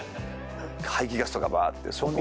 排気ガスとかばーって。